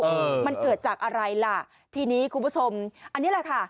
เออมันเกิดจากอะไรล่ะทีนี้คุณผู้ชมอันนี้แหละค่ะ